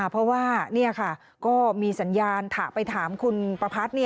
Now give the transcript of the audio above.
เพราะว่านี่ค่ะก็มีสัญญาณไปถามคุณประพัทธ์